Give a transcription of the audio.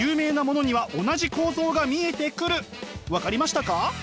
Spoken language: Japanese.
つまり分かりましたか？